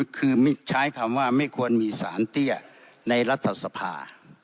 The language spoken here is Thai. คือใช้คำว่าไม่ควรมีสารเตี้ยในรัฐสภา